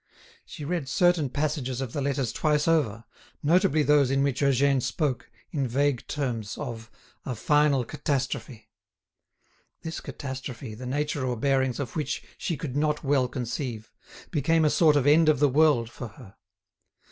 She read certain passages of the letters twice over, notably those in which Eugène spoke, in vague terms, of "a final catastrophe." This catastrophe, the nature or bearings of which she could not well conceive became a sort of end of the world for her.